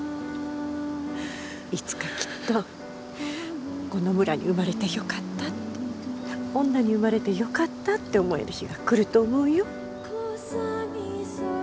いつかきっとこの村に生まれてよかったって女に生まれてよかったって思える日が来ると思うよ。